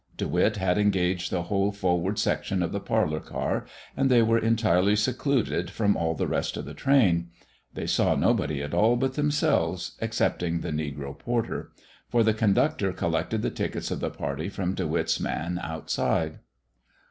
De Witt had engaged the whole forward section of the parlor car, and they were entirely secluded from all the rest of the train. They saw nobody at all but themselves, excepting the negro porter; for the conductor collected the tickets of the party from De Witt's man outside.